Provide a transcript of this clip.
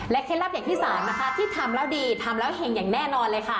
เคล็ดลับอย่างที่สามนะคะที่ทำแล้วดีทำแล้วเห็งอย่างแน่นอนเลยค่ะ